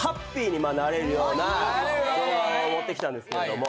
ような動画を持ってきたんですけれども。